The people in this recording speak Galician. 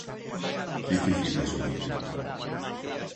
Difícil de asumir.